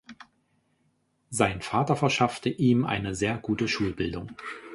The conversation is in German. Sein Vater verschaffte ihm eine sehr gute Schulbildung.